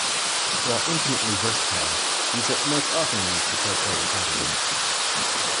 While infinitely versatile, these are most often used to tell players how to win.